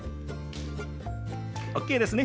ＯＫですね。